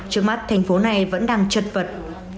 trước mắt thành phố này vẫn đang chật vật